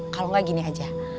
kalau gak gini aja